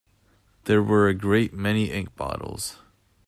There were a great many ink bottles.